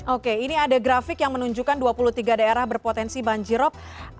oke ini ada grafik yang menunjukkan dua puluh tiga daerah berpotensi banjirop